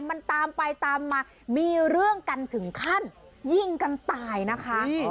มันตามไปตามมามีเรื่องกันถึงขั้นยิงกันตายนะคะ